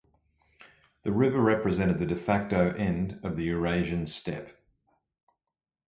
The river represents the "de facto" end of the Eurasian Steppe.